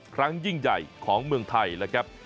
ครั้งยิ่งใหญ่ของเมืองไทยนะครับ